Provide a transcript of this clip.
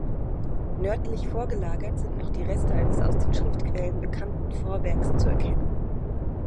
Nördlich vorgelagert sind noch die Reste eines aus den Schriftquellen bekannten Vorwerks zu erkennen.